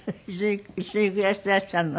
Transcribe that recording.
一緒に暮らしてらっしゃるの？